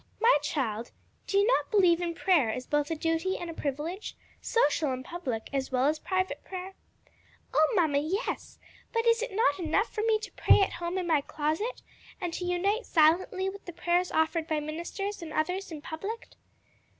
"My child, do you not believe in prayer as both a duty and a privilege? social and public as well as private prayer?" "O mamma, yes! but is it not enough for me to pray at home in my closet, and to unite silently with the prayers offered by ministers and others in public?"